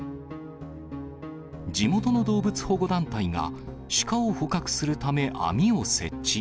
地元の動物保護団体が、シカを捕獲するため、網を設置。